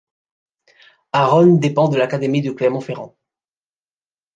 Arronnes dépend de l'académie de Clermont-Ferrand.